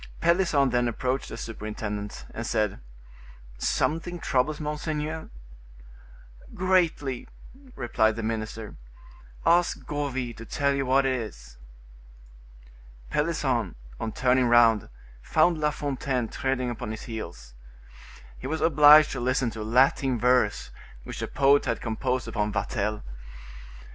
Pelisson then approached the superintendent, and said: "Something troubles monseigneur?" "Greatly," replied the minister; "ask Gourville to tell you what it is." Pelisson, on turning round, found La Fontaine treading upon his heels. He was obliged to listen to a Latin verse, which the poet had composed upon Vatel.